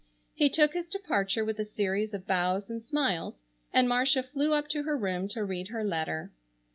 He took his departure with a series of bows and smiles, and Marcia flew up to her room to read her letter.